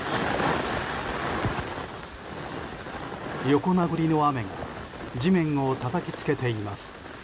横殴りの雨が地面をたたきつけています。